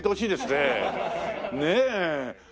ねえ。